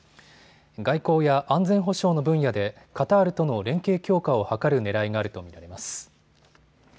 外交や安全保障の分野でカタールとの連携強化を図るねらいがあると見られます。